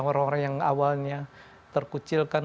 orang orang yang awalnya terkucilkan